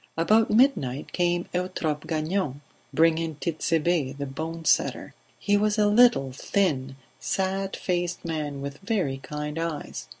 About midnight came Eutrope Gagnon, bringing Tit'Sebe the bone setter. He was a little, thin, sad faced man with very kind eyes.